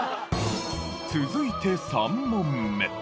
続いて３問目。